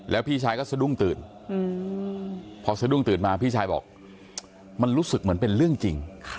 แล้วพี่ชายก็สะดุ้งตื่นพอสะดุ้งตื่นมาพี่ชายบอกมันรู้สึกเหมือนเป็นเรื่องจริง